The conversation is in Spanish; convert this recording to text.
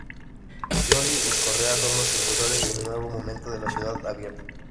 Jolly y Correa son los impulsores del nuevo momento de la Ciudad Abierta.